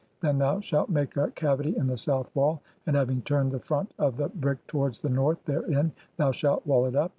THEN THOU SHALT MAKE A CAVITY IN THE SOUTH WALL, AND HAVING [TURNED] THE FRONT OF THE BRICK TOWARDS THE NORTH [THEREIN], THOU SHALT WALL IT UP.